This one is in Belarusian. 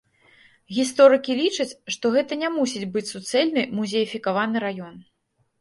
Гісторыкі лічаць, што гэта не мусіць быць суцэльны музеяфікаваны раён.